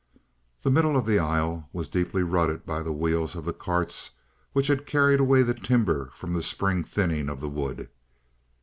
The middle of the aisle was deeply rutted by the wheels of the carts which had carried away the timber from the spring thinning of the wood.